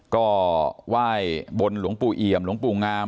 ก็ไหว้บนหลวงปู่เอี่ยมหลวงปู่งาม